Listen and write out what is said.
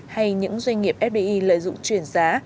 hay những doanh nghiệp fdi lợi dụng chuyển giá